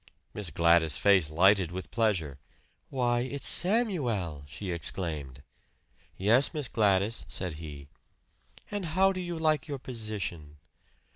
Miss Gladys's face lighted with pleasure. "Why, it's Samuel!" she exclaimed. "Yes, Miss Gladys," said he. "And how do you like your position?"